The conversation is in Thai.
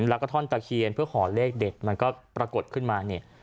แล้วก็ท่อนตะเคียนเพื่อขอเลขเด็ดมันก็ปรากฏขึ้นมาเนี่ย